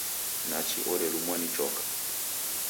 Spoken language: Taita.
Nachi orelumwa ni choka!